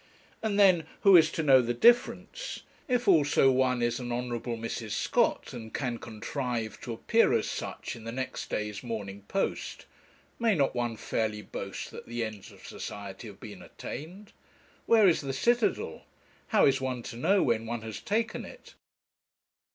And then, who is to know the difference? If also one is an Honourable Mrs. Scott, and can contrive to appear as such in the next day's Morning Post, may not one fairly boast that the ends of society have been attained? Where is the citadel? How is one to know when one has taken it?